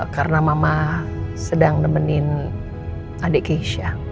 karena mama sedang nemenin adik keisha